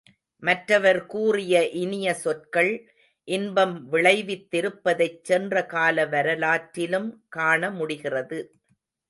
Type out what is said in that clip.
மற்றவர் கூறிய இனிய சொற்கள் இன்பம் விளைவித்திருப்பதைச் சென்ற காலவரலாற்றிலும் காணமுடிகிறது.